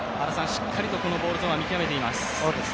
しっかりとボールゾーンは見極めています。